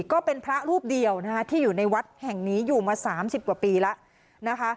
ก็เป็นพระรูปเดียวนะคะที่อยู่ในวัดแห่งนี้อยู่มา๓๐กว่าปีแล้วนะคะ